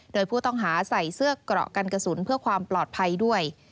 โดยผู้ต้องหาใส่เสื้อเกราะกันกระสุนเพื่อความปลอดภัยด้วย